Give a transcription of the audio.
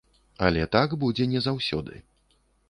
Але так будзе не заўсёды.